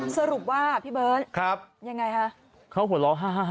สรุปว่าพี่เบิ้ลครับยังไงฮะเขาหัวล้อ๕๕๕๕